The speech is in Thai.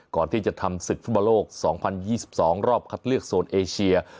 ก่อนที่จะทำศึกฟุตบอลโลก๒๐๒๒รอบคัดเลือกโซนเอเชีย